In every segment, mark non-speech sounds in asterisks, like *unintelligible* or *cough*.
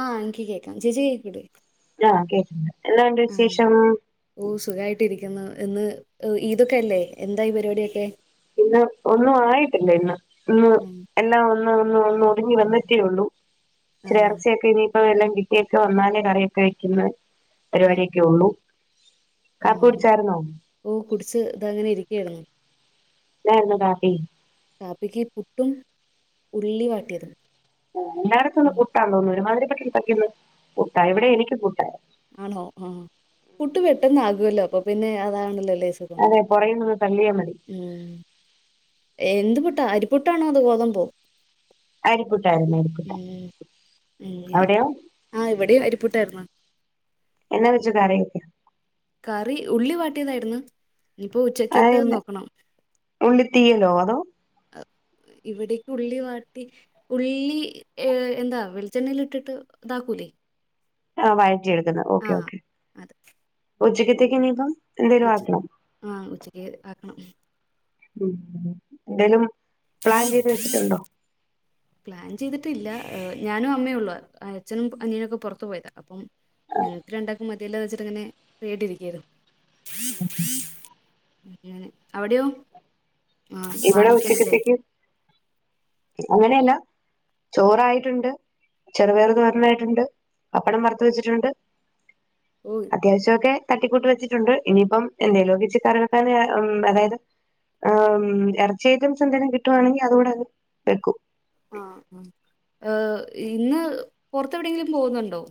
ആഹ് എനിക്ക് കേൾക്കാം ചേച്ച കേക്കൂട ആഹ് കേട്ട എന്താണ്ട് വിശേഷം ഓ സുഖായിട്ടിരിക്കുന്നു ഇന്ന് ഈതൊക്കെ അല്ലേ എന്തായി പരിപാടിയൊക്കെ ഇന്ന് ഒന്നും ആയിട്ടില്ല ഇന്ന് ഇന്ന് ഉം, എല്ലാം ഒ ഒ ഒതുങ്ങി വന്നെത്തേള്ളൂ ആ ചേർച്ചയൊക്കെ ഇനി ഇ എല്ലാം കിട്ടിയൊക്കെ വന്നാലേ കറിയൊക്കെ വെക്കുന്നത് ഉ ആ കാപ്പി കുടിച്ചായിരുന്നോ ഓ കുടിച്ച് ഇതങ്ങനെ ഇരിക്കട ഇല്ലരുന്നു കാട്ടി കാപ്പക്ക് പുട്ടും ഉള്ളി വാട്ടിയതും ആ എല്ലടത്ത ഒന്ന് ഉം, കട്ടല്ലോന്നും ഒരുമാതിരി കട്ട ഇവിടെ എനിക്ക് കൂട്ടായ ആണോ ആഹ പുട്ട് പെട്ടെന്ന് ആകുവല്ലോ അപ്പൊ പിന്നെ അതാണല്ലോ അല്ലേ സുഖം അതെ പുറകിൽ നിന്ന് തള്ളിയാ മതി ഉം. പുട്ടാണോ അത് കോതംമ്പോ അരിപ്പൊട്ട ഉ അവിടെയോ ആ് ഇവിടെയും അരിപ്പൂട്ടായിുന്നോ എന്നാ വച്ച തര ഒക്കെയ കറി ഉള്ളി വാട്ടിയതായിരുന്നു ഇനിയിപ്പോ അതെ ഉച്ചക്കത്തെ നോക്കണം ഉള്ളി തീയലോ അ ഇവിടേക്ക് ഉള്ളി വാട്ടി ഉള്ളി ഏ എന്താ വെളിച്ചെണ്ണൽ ഇട്ടിട്ട് ഇതാക്കൂലേ ആ വായി ഓക്കെ ആഹ് ഓക്കെ അത് ഒച്ചക്ക്ത്തിക്ക്ിന പ ഉച്ച ആഹ ഉച്ചക്ക് ആക്കണം ഉ എന്തായാലും പ്ലാൻ ചെയ്ത് വെച്ചിട്ടുണ്ടോ പ്ലാൻ ചെയ്തിട്ടില്ല ഞാനും അമ്മേ ഉള്ളൂ അച്ഛനും അനിയനൊക്കെ പുറത്തു പോയതാ അപ്പം ഞങ്ങ്ക്ക് രണ്ടാക്കും മതി ഇ വെച്ചിട്ട ഇങ്ങനെ ട്ടിരിക്കായിരുന്നു. അവിടെയോ? ആഹ് ഇവിടെ വാങ്ങിക്കണല്ലേ ഉച്ചക്കത്തേക്ക് അങ്ങനെയല്ല ചോറായിട്ടുണ്ട്, ചെറുപയർ തോരൻ ആയിട്ടുണ്ട്, പപ്പടം വറുത്തുവച്ചിട്ടുണ്ട്. ഓ അത്യാവശ്യയൊക്കെ ത തട്ടിക്കൂട്ട് വെച്ചിട്ടുണ്ട് ഇനിയിപ്പം എന്താലും ഇച്ച കറിവെക്കാൻ ഉം അതായത് ഉം ഇറച്ചി ഐറ്റംസ് എന്തേലും കിട്ടുവാണെങ്കിൽ അതു കൂടെ അങ്ങ് വെക്കും. ആഹ് ഏർ ഇന്ന് പുറത്തു എവിടെയെങ്കിലും പോകുന്നുണ്ടോ?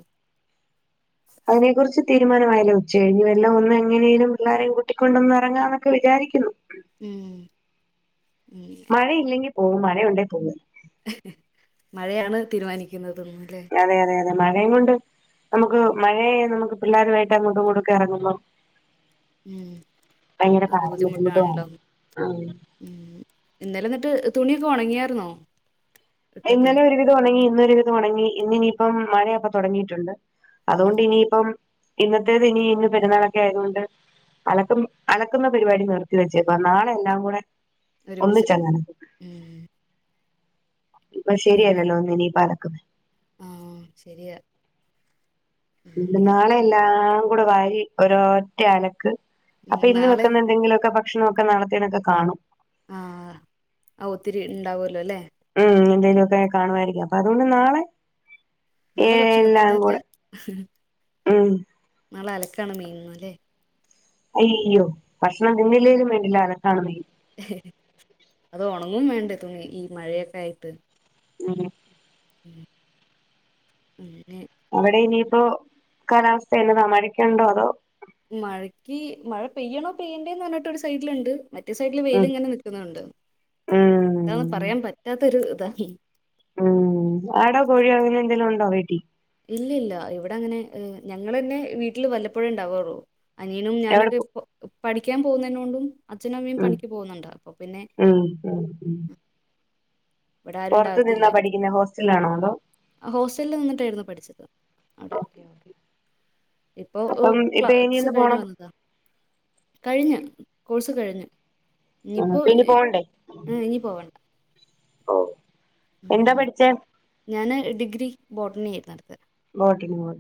അതിനെ കുറിച്ച് തീരുമാനമായില്ല ഉച്ച കഴിഞ്ഞ വല്ലും ഒന്ന് എങ്ങനെയേലും പിള്ളാരെയും കൂട്ടിക്കൊണ്ടു ഒന്ന് ഇറങ്ങാമെന്ന് വിചാരിക്കുന്നു. ഉം ഉം മഴയില്ലെങ്കിൽ ഓ മഴയുണ്ടാൽ പോകും. മഴയാണ് തീരുമാനിക്കുന്നത്. *unintelligible* മഴ കൊണ്ട് നമുക്ക് മഴയെ നമുക്ക് പിള്ളേരുമായിട്ട് അങ്ങോട്ടും ഇങ്ങോട്ടും ഇറങ്ങുമ്പോ. ഉം അത് ബുദ്ധിമുട്ടുമാണ് ബുദ്ധിമുട്ടാണല്ലോ ഇന്നലെ എന്നിട്ട് തുണിയൊക്കെ ഉണങ്ങിയ ന്നോ ഇന്നലെ ഒരുവിധം ഉണങ്ങി ഇന്ന് ഇട്ടത് ഉണങ്ങി ഇന്നിനിയിപ്പോ മഴയൊക്കെ തുടങ്ങിയിട്ടുണ്ട്. അതുകൊണ്ട് ആഹ് ഇനിയിപ്പം ഇന്നത്തെതിനി ഇന്ന് പെരുന്നാളൊക്കായതോണ്ട് അലക്കും അലക്കുന്ന പരിപാടി നിർത്തി വെച്ചേക്കുവാ നാളെ എല്ലാം കൂടെ. ഒരുമിച്ചിട്ട്. ഒന്നിച്ചങ്ങ് അലക്കും ഇപ്പോൾ ശരിയല്ലല്ലോ *unintelligible* *inaudible* ഉം ശരിയാ. ഉം, ഇന്ന്ട്ട് അങ്ങനെ നാളെയെല്ലാ എല്ലാം കൂടി വാരി ഒരു ഒറ്റ അലക്ക്. ഉം, അപ്പൊ ഇന്ന് നാളെ വയ്ക്കുന്ന എന്തെങ്കിലുമൊക്കെ വേ ഭക്ഷണമൊക്കെ നാളത്തെനൊക്കെ കാണും. ആഹ് ഒത്തിരി ഇണ്ടാവുല്ലോ ലേ? ഉം എന്തേലുയൊക്കെ കാണുമായിരിക്കും അപ്പൊ അതുകൊണ്ട് നാളെ. നാളെ എല്ലാം ഭക്ഷണത്തിന്റെതല്ല. കൂടെ ഉം നാളെ അലക്കാണ് മെയിൻ അല്ലേ. അയ്യോ ഭക്ഷണം തിന്നില്ലേലും വേണ്ടില്ല അലക്കാണ് മെയിൻ. അത് ഉണങ്ങും വേണ്ടേ തുണി ഈ മഴയൊക്കെ ആയിട്ട്. ഉം ഉം ഉം അവിടെ ഇനിയിപ്പോൾ കാലാവസ്ഥ എന്നത മഴയ്ക്കുണ്ടോ. മഴക്ക് മഴ പെയ്യണോ പെയ്യണ്ട എന്ന് പറഞ്ഞിട്ട് ഒരു സൈഡിലുണ്ട്. മറ്റേ സൈഡിൽ വെയിൽ ഉം ഇങ്ങനെ നിൽക്കുന്നുണ്ട് എന്താണെന്ന് ഉം പറയാൻ പറ്റാത്ത ഒരു. *inaudible* ഉം ആടോ കോഴിയോ അങ്ങനെ എന്തെങ്കിലും ഉണ്ടോ വീട്ടിൽ? ഇല്ല ഇല്ല ഇവിടെ അങ്ങനെ ഞങ്ങളെന്നെ വീട്ടില് വല്ലപ്പോഴേ ഉണ്ടാവാറു അനിയനും എവിടെ ഞാനൊക്കെ പോ ഇപ്പ പഠിക്കാൻ പോകുന്നതിനോണ്ടും അച്ഛനും അമ്മം ഉം പണിക്ക് പോകുന്നുണ്ട് അപ്പൊ പിന്നെ. ഉം ഉം ഉം ഇവിടെ ആരും പൊറത്ത് നിന്നാ ഇണ്ടാവത്തില്ല പഠിക്കുന്നെ ഹോസ്റ്റലിലാണോ അതോ ഹോസ്റ്റലിൽ നിന്നിട്ടായിരുന്നു പഠിച്ചത്. അവിടെ ഓക്കെ ഓക്കെ ഇപ്പൊ അപ്പം ഇപ്പൊ ക്ലാസ് ഇനിയൊന്ന് കഴിഞ്ഞു പോണം വന്നതാ. കഴിഞ്ഞു കോഴ്സ് കഴിഞ്ഞു ഇനിപ്പോ അപ്പൊ ഇനി ഉ ഇനി പോവണ്ട. ഓഹ് ഞാന് ഡിഗ്രി ബോട്ടനി ഏർന്ന് മോട്ട ന മോട്ട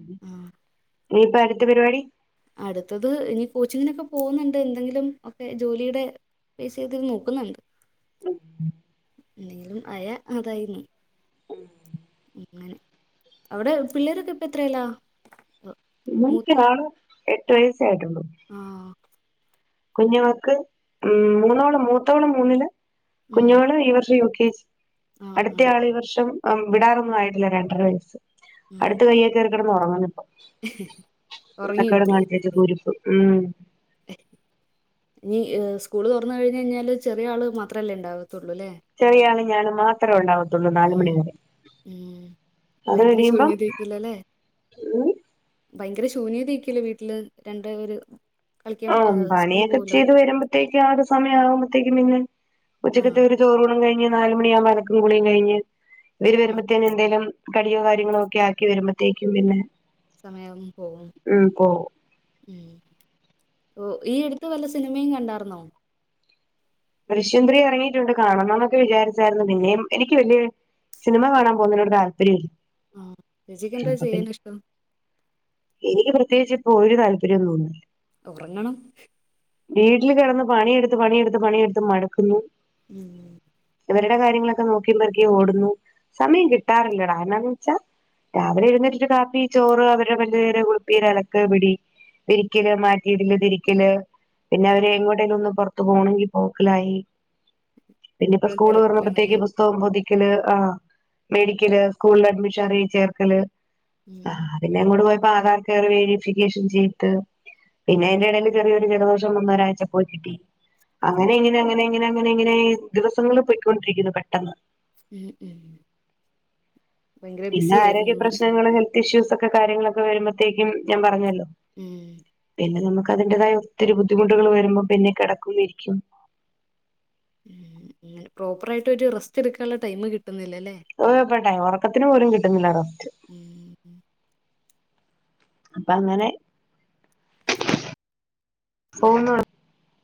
ഇയിപ്പൊ അടുത്ത പരിപാടി അടുത്തത് ഇനി കോച്ചിങ്ങിനൊക്കെ പോകുന്നുണ്ട് എന്തെങ്കിലും ഒക്കെ ജോലിയുടെ പേസീദ് നോക്കുന്നുണ്ട്. ഉം എന്തെങ്കിലും അയാ അതായിരുന്നു. ഉം അങ്ങനെ അവിടെ പിള്ളേരൊക്കെ ഇപ്പ എത്രയലാ? ഇക്ക എട്ട് വയസ്സ് ആഹ കുഞ്ഞുവാവക്ക് ഉം മൂന്നോളം മൂത്തോള് മൂന്നില് ഉം കുഞ്ഞുങ്ങള്ള് ഈവർഷക്ക *unintelligible* ആ ആ അടുത്ത ആൾ ഈ വർഷം വിടാറന്ന ആയിട്ടില്ല രണ്ടര വയസ്സ് ഉം അടുത്ത കയ്യേക്കറി ഉറങ്ങുന്നു ഇപ്പൊ ഉറങ്ങിയോ കുരുത്തക്കേട് ട് പുള്ളി കാണിച്ചകുരുപ്പ് ഉം ഇനി സ്കൂള് തുറന്ന കഴിഞ്ഞഞ് കഴിഞ്ഞാല് ചെറിയ ആള് മാത്രല്ലേ ഉണ്ടാവ ശെരിയാണ് ഞാനും മാത്രം ഉണ്ടാവും തൊണ്ണൂ നല് ഉം മണി വരെ ഉം അത് ഭയങ്കര കഴിയുമ്പം ശൂന്യതയായിരിക്കുവല്ലേ ഉ ഭയങ്കര ശൂന്യത ആക്കല്ലേ വീട്ടില് രണ്ട ഒരു ആ പണിയൊക്കെ ചെയ്ത് വരുമ്പോഴത്തേക്കും ആ സമയ ആകുമ്പോത്തേക്കും പിന്നെ ആ ഉച്ചക്കത്ത ഒരു ചോറ്ൂണം കഴിഞ്ഞ നാല മണ ആകുമ്പോ ഇടക്ക പളിയും കഴിഞ്ഞ് ഇവർ ഉം വരുമ്പോത്തേന് എന്തേലും കടിയോ കാര്യങ്ങളോ ഒക്കെ ആക്കി വരുമ്പോഴത്തേക്കും പിന്നെ സമയവും പോകവും ഉം പോവും ഉം ഓ ഈ എടുത്ത് വല്ല സിനിമയും കണ്ടായിർുന്നോ ഷ്യന്ത്രി ഇറങ്ങിയിട്ടുണ്ട് കാണണം എന്നൊക്കെ വിചാരിച്ചായിരുന്നു പിന്നെയ എനിക്ക് വലിയ സിനിമ കാണാൻ പോകുന്നതിനോട് താല്പര്യമ ഇില്ല ആഹ ചേച്ചിക്ക് എന്താ ചെയ്യാന ഇഷ്ടം എനിക്ക് പ്രത്യേകിച്ച് ഇപ്പോൊ ഒരു താല്പര്യംൊന്ന തോന്നില്ല ഉറങ്ങണം വീട്ടിൽ കിറന്ന് പണിയെടുത്ത് പണിയെടുത്ത് പണിയെടുത്തത്ത് മടക്കുന്നു ഉം ഇവരുടെ കാര്യങ്ങളൊക്കെ നോക്കിയ്പോറേക്കും ഓടുന്നു സമയം കിട്ടാറില്ല കാരണംന്ന് വെച്ചാൽ രാവിലെ എഴുന്നേറ്റരു കാപ്പി ചോറ് അവരുടെ വലുതരെ കുളുപ്പി ഇലക്ക് പിടി വിരിക്കല് മാറ്റിയിടല് തിരിക്കല് പിന്നെ ഉം അവരെ എങ്ങോട്ടേലും ഒ വർത്ത പോണങ്ക ഓഖ്ലായി പിന്നെ ഇപ്പോ ഇപ്പഴും സ്കൂള് പറഞ്ഞപ്പോഴത്തേക്ക് തിരക്കിലാണല്ലേ പുസ്തകം പോദിക്ക ആ മെഡിക്കല് സ്കൂളില് അഡ്മിഷൻ അറിയി ചേർക്കല് ഉം ആ ഉം അ പിന്നെ അങ്ങോട്ട് പോയി അ ആകാർ കയറെ വേരിഫിക്കേഷൻ ചെയ്ട്ട പിന്നെ അതിന്റെ ഇടയിൽ ചെറിയൊരു ജലദോഷം ഒന്ന ഒരാഴ്ച പോയി കിട്ടി ഓ അങ്ങനെ ഇങ്ങനെ അങ്ങനെ അങ്ങനെ അങ്ങനെ ഇങ്ങനെ ദിവസങ്ങള്ൾ പോൊയ്ക്കൊണ്ടിരിക്കുന്നു പെട്ടെന്ന് ഉം ഉം ഉ പിന്നെ ആരോഗ്യ പ്രശ്നങ്ങൾ ഹെൽത്ത് ഇഷ്യൂസ് ഒക്കെ ക്ക കാര്യങ്ങളൊക്കെ വരുമ്പോഴത്തേക്കും ഞാൻ പറഞ്ഞല്ലോ ഉം പിന്നെ നമുക്ക് അതിറേതായ ഒത്തിരി ബുദ്ധിമുട്ടുകൾ വരുമ്പോ പിന്നെ കിടക്കുകമായിരിക്കും ഉ അങ്ങനെ പ്രോപ്പർ ആയിട്ട് ഒരു റെസ്റ്റ് എടുക്കാനുള്ള ടൈം് കിട്ടും പട്ടെ ഉറക്കത്തിന് പോലും കിട്ടുന്നില്ല റസ്റ്റ് ഉം അപ്പൊ അങ്ങനെ പോോന്ന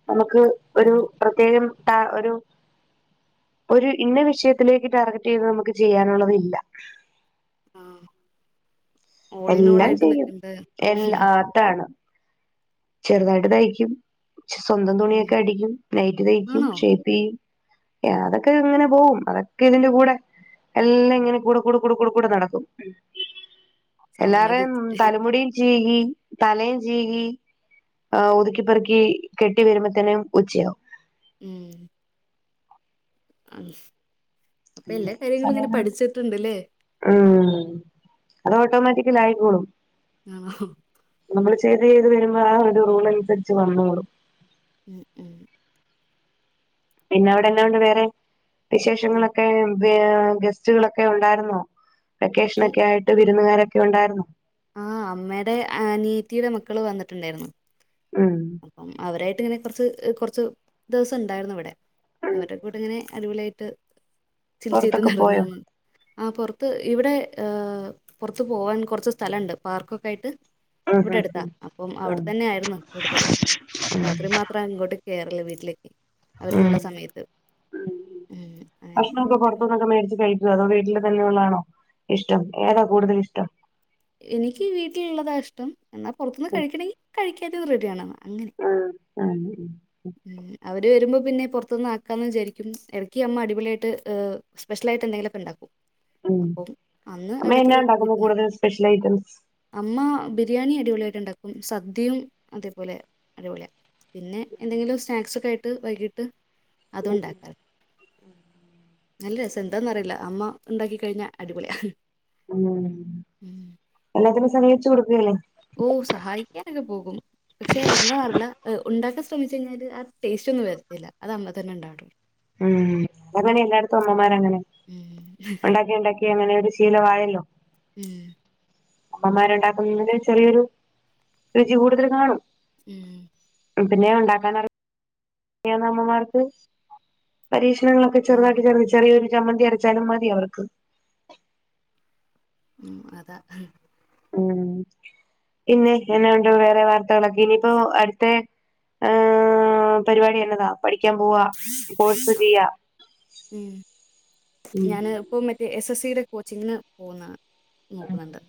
നമുക്ക് ഉം ഒരു പ്രത്യേകം ട്ട ഒരു ഒരു ഇന്ന വിഷയത്തിലേക്ക് ടാർഗറ്റ് ചെയ്ത് നമുക്ക് ചെയ്യാനുള്ളതില്ല ആഹ് എല്ലാം ഓളിനോളായിട്ട് ചെയ്യും നിക്കണ്ട് എല് ആത്താണ് ചെറ്തായിട്ട് തയ്ക്കും സ്വന്തം ഉം തുണിയൊക്കെ അടിക്കും നൈറ്റി തയ്ക്കും ആണോ ഷേപ്പിയ്യും അതൊക്കെ ഇങ്ങനെ പോവും അതൊക്കെ ഇതിന്റെ കൂടെ എല്ലാം ഇങ്ങനെ കൂടെ കൂടെ കൂടെ കൂടെ കൂടെ നടക്കും എല്ലാരേയും സമ്മതിച്ച് തലമുടിയും ചീകി, തലേം ചീകി, ആ ഒതുക്കിപ്പെർക്കി കെട്ടി വരുമ്പത്തെനും ഉച്ചയാവും. ഉം അ *unintelligible* *unintelligible* അങ്ങനെ സമയങ്ങള ഉം അത് ഓട്ടോമാറ്റിക്കലായിക്കോളും ആഹ് നമ്മള് ചെയ്ത് ചെയ്ത് വരുമ്പോ ആ ഒരു റൂൾ അൻസര്ച്ച് വന്നോളും ഉം ഉം പിന്നെ അവിടെന്നാ ഉണ്ട് വേറെ ഉം. വിശേഷങ്ങളൊക്കെ വേ ഗസ്റ്റുകളൊക്കെ ഉണ്ടായിരുന്നോ വെക്കേഷൻ ഒക്കെ ആയിട്ട് വിരുന്നുകാരൊ ക്കെ ഉണ്ടായിരുന്നൊ ആഹ അമ്മയുടെ അനിയത്തീടെ മക്കള് വന്നിട്ടുണ്ടായിരുന്നു ഉം അപ്പം അവരെ ട്ട്ങ്ങനെ കൊർച്ച് കൊർച്ച് ദവസം ഉണ്ടായിരുന്നു വടെ അവരെ കൂടങ്ങനെ അടിപൊളിയായിട്ട് ട്ട് ചിൽചെയ്ത് പൊറത്തൊക്കെ പോയോ നടന്നാന്ന് ആ പൊർത്ത് ഇവടെ ഏഹ് പൊർത്ത് പോവാൻ കൊർച്ച് സ്ഥലണ്ട് പാർക്കൊക്കെ ആയിട്ട് ഉം ഉം ഇവിടെടുത്താ അപ്പം ഉം അവട്തന്നെ ആയിര്ന്ന് കൂടുതലും ഉം രാത്രി മാത്രം ഇങ്ങോട്ട് കേറല് വീട്ടലേക്കി ഉം ഉം, അങ്ങനെ ഭക്ഷണണൊക്കെ അടിപൊളി പൊർത്തുന്നൊക്കെ മേട്ച്ച് കഴിക്കോ അതോ വീട്ടിൽ തന്നെള്ളാണോ ഇഷ്ടം ഏതാ കൂടുതൽ ഇഷ്ടം എനിക്ക് വീട്ടിലുള്ളതാ ഇഷ്ടം എന്നാ പൊർത്തുന്ന് കഴിക്കണെങ്കി കഴിക്കാനും റെഡിയാണ്ന്ന് അങ്ങനെ ഉം അവ വരുമ്പ പിന്നെ പൊർത്തുന്ന് ആക്കാന്ന് വിചാരിക്കും എടക്ക് അമ്മ അടിപൊള്യയിട്ട് സ്പെഷ്യലായിട്ട് എന്തെങ്കിലൊക്കെ ണ്ടാക്കും ഉം അമ്മ എന്നാ ഉണ്ടാക്കുന്നു വീട്ടിൽ കൂടുതൽ സ്പെഷ്യൽ ഐറ്റംസ് അമ്മ ബിരിയാണി അടിപൊളി ഇണ്ടാക്കും സദ്യയും അതേപോലെ അടിപൊളിയ പിന്നെ എന്തെങ്കിലും സ്നാക്സ് ഒക്കെ ആയി *unintelligible* വൈകിട്ട് അതുണ്ടാക്കാം നല്ല രസം എന്താന്നന്ന് അറിയില്ല അമ്മ ഉണ്ടാക്കി കഴിഞ്ഞ അടിപൊളിയ ഉം *unintelligible* *unintelligible* അത് സമ്മതിച്ചു കൊടു ഓ സഹായിക്കാനൊക്കെ പോകും പക്ഷെ എന്താ അറില്ല ഉണ്ടാക്ക ശ്രമിച്ച കഴിഞ്ഞാൽ ആ ടേസ്റ്റ് ഒന്നും വരത്തില്ല അത് അമ്മ തന്നെ ഇണ്ടാക്കണം ഉം അതങ്ങനെ എല്ലായിടത്തും അമ്മമാരങ്ങനെ ഉം. ഉണ്ടാക്കി ഉണ്ടാക്കി അങ്ങനെ ഒരു ശീലമായായല്ലോ ഉം അമ്മമാരുണ്ടാക്കുന്നതിന് ചെറിയൊരു രുചി കൂടുതൽ കാണും ഉം പിന്നെ ഉണ്ടാക്കാൻ *unintelligible* അമ്മമാർക്ക് പരീഷണങ്ങളൊക്കെ ആ. ചെറുതായിട്ട് ചെറിയോരു ചമ്മന്തി അരച്ചാലും മതി അവർക്ക് ഉ അത ഉ പിന്നെ എന്നെ ഉണ്ടോ വേറെ വാർത്തകളൊക്കെ ഇനിയിപ്പോ അടുത്ത പരിപാടി എന്നന്നതാ പ *unintelligible* പോവാ കോഴ്സ് ചെയ്യ ഉം ഞാന് ഇപ്പൊ മറ്റേ എസ് എസ് സിയുടെ കോച്ചിംഗിന് പോകുന്ന നോക്കുന്നുണ്ട്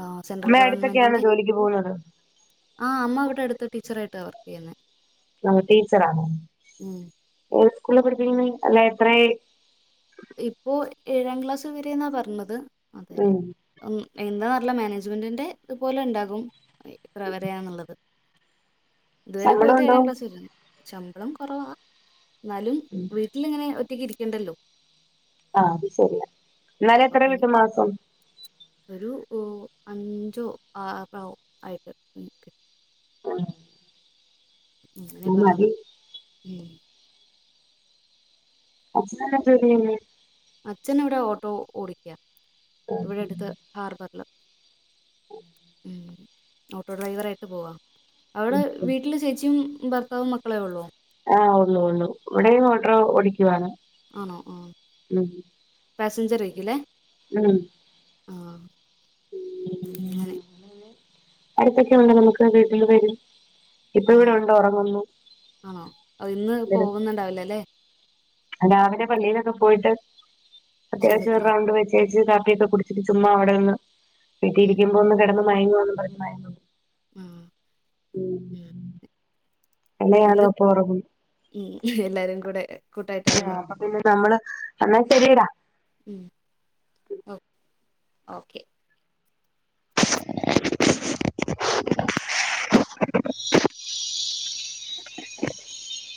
ആ സെൻട്രൽ അമ്മ അടുത്തൊക്കെയാണ് ഗവൺമെന്റിന്റെ ജോലിക്ക് പോകുന്നത് ആ അമ്മ ഇവിടെ അടുത്ത് ടീച്ചർ ട്ട് വർക്ക് ചെയ്യുന്നത് *unintelligible* ടീച്ചറാണോ ഉം. സ്കൂളാ പഠിപ്പിക്കുന്നത് അല്ല എത്ര ഇപ്പോ ഏഴാം ക്ലാസ് വരെന്നാ പറഞ്ഞത് അതെ ഉം ആ എന്താന്ന് അറിയില്ല മാനേജ്മെന്റിന്റെ ഇതുപോലെ ഉണ്ടാകും എത്ര വരന്നുള്ളത് ഇതുവരെ ശമ്പളം പോയത് ഉണ്ടോ ഏഴാം ക്ലാസ് *unintelligible* ശമ്പളം കുറവാ എന്നാലും വീട്ടിലിങ്ങനെ ഒറ്റക്ക് ഇ ണ്ടല്ലോ ആ അത് ശരിയാ എന്നാലും അപ്പൊ എത്ര പിന്നെ കിട്ടും മാസം ഒരു ഓ അഞ്ചോ ആറോ ആയിട്ട് കിട്ടും ആ അങ്ങനെ പറഞ്ഞത് ഉം *unintelligible* അച്ഛനവിടെ ഓട്ടോ ഓടിക്കാ ഇവിടെ അട്ത്ത് ഹാർബറ്ല് ഉം ഓട്ടോ ഡ്രൈവറായിട്ട് പോവാ അവിടെ വീട്ടില് ചേച്ചിയും ഭർ ഭർത്താവും മക്കളെ ഉള്ളോ ആഹ് ഒള്ളൂ ഒള്ളു ഇവിടെയും ഓട്ട്ർ ഓടിക്കുവാ ആണോ ആഹ് ഹസ് സഞ്ചറ്യക്കുലെ ഉം അങ്ങനെ ഉം അടുത്തൊക്കെ ഉണ്ടെങ്കിൽ നമുക്ക് വീട്ടിൽ വരും ഇപ്പൊ ഉം ഇവിടെ ഉണ്ട് ഉറങ്ങുന്നു ആണോ അ ഇന്ന് പോകുന്നുണ്ടാവുലലേ ലാവിലെ പള്ളിയിലൊക്കെ പോയിട്ട് അത്യാവശ്യം ഒരു ക്ഷീണത്തിലാണ് റൗണ്ട് വെചേച്ച് കാപ്പിയോക്കെ കുടിച്ചിട്ട് ചുമ്മാ അവിടെന്ന് ഉം വീട്ടീരിക്കുമ്പോ ഒന്ന് കെട് ന്നു മയങ്ങ *unintelligible* ആ ഉം ഇന്ന് ഉം ഹ് ഹ് എല്ലാരുകൂടെ ആ പ് അപ്പ പിന്നെ നമ്മള് എന്നാ ശെരിടാ ഉം ഒ ഓക്കെ *inaudible*